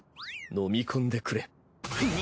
飲み込んでくれ。